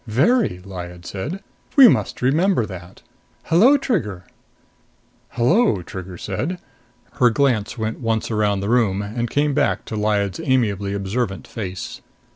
"Very!" Lyad said. "We must remember that. Hello, Trigger!" "Hello," Trigger said. Her glance went once around the room and came back to Lyad's amiably observant face.